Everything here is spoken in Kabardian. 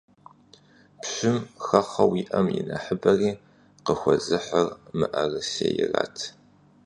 Пщым хэхъуэу иӀэм и нэхъыбэри къыхуэзыхьыр мыӀэрысейрат.